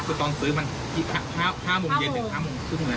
คือต้องซื้อมันที่ห้าห้าโมงเย็นหรือห้าโมง